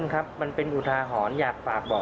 จะรับผิดชอบกับความเสียหายที่เกิดขึ้น